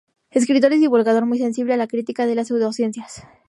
Escritor y divulgador, muy sensible a la crítica de las pseudociencias.